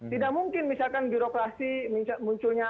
tidak mungkin misalkan birokrasi munculnya